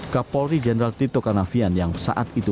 kapolri jenderal tito karnavian yang saat itu